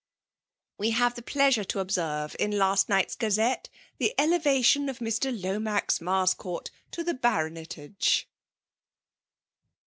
" We hare tlie pleasure to observe, in last night's Gazette, the elevation of Mr. Lomaz Jf arscourt to the Bavonetage.'